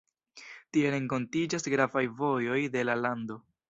Tie renkontiĝas gravaj vojoj de la lando.